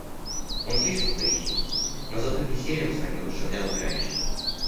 Он слишком горячился, но зато весельем своим одушевлял играющих.